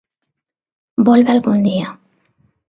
Volve algún día.